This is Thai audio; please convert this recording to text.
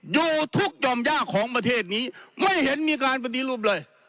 อยู่ทุกยอมยากของประเทศนี้ไม่เห็นมีการปฏิรูปเลย